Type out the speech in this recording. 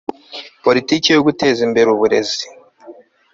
politiki yo guteza imbere uburezi